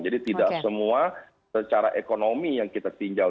jadi tidak semua secara ekonomi yang kita tinggal